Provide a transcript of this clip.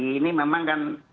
ini memang kan